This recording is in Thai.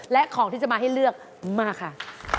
และของที่จะมาให้เลือกมาค่ะ